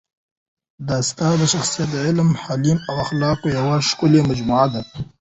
د استاد شخصیت د علم، حلم او اخلاقو یوه ښکلي مجموعه ده.